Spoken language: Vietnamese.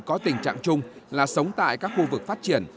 có tình trạng chung là sống tại các khu vực phát triển